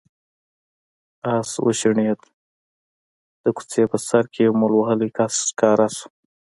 آس وشڼېد، د کوڅې په سر کې يو مول وهلی کس ښکاره شو.